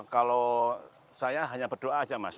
kalau saya hanya berdoa aja mas